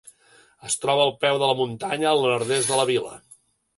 Es troba al peu de la muntanya, al nord-est de la vila.